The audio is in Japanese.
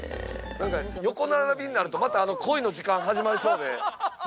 横並びになると、また恋の時間始まりそうで。